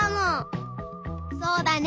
そうだね。